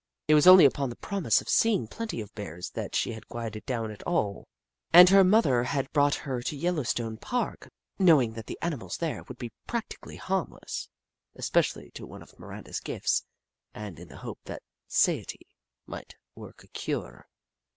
It was only upon the promise of seeing plenty of Bears that she had quieted down at all, and her mother had brought her to Yel lowstone Park, knowing that the animals there would be practically harmless, especially to one of Miranda's gifts, and in the hope that satiety might work a cure.